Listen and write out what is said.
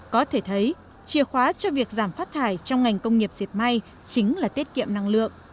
có thể thấy chìa khóa cho việc giảm phát thải trong ngành công nghiệp dẹp may chính là tiết kiệm năng lượng